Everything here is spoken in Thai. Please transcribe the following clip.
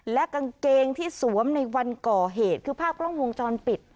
และกางเกงที่สวมในวันก่อเหตุคือภาพกล้องวงจรปิด